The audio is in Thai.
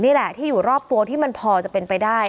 นี่แหละที่อยู่รอบตัวที่มันพอจะเป็นไปได้